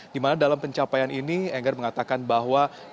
di mana dalam pencapaian ini enggar mengatakan bahwa